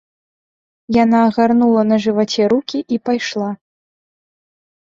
Яна агарнула на жываце рукі і пайшла.